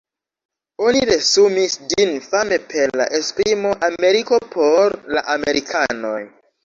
Oni resumis ĝin fame per la esprimo "Ameriko por la amerikanoj".